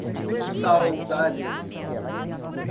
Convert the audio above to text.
Saudades